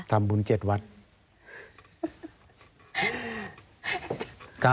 ทำบุญ๗วัตต์